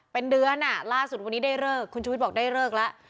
เป็นเดือนล่าสุดวันนี้ได้เลิกคุณชุวิตบอกได้เลิกแล้ว